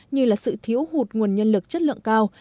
như là sự thiếu hụt nguồn nhân lực chất lượng cao